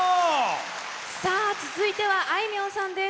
さあ、続いてはあいみょんさんです。